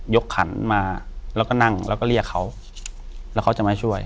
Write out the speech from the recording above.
ขันมาแล้วก็นั่งแล้วก็เรียกเขาแล้วเขาจะมาช่วย